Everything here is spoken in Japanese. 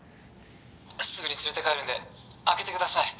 すぐに連れて帰るんで開けてください